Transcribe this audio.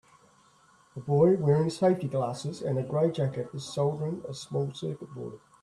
A boy wearing safety glasses and a gray jacket is soldering a small circuit board.